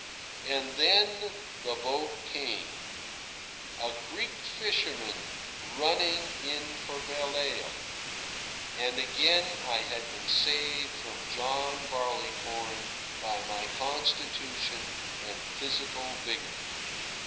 And then the boat came a Greek fisherman running in for Vallejo; and again I had been saved from John Barleycorn by my constitution and physical vigour.